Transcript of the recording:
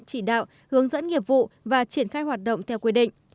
chỉ đạo hướng dẫn nghiệp vụ và triển khai hoạt động theo quy định